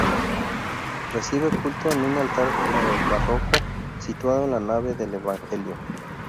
Recibe culto en un altar neobarroco situado en la nave del evangelio.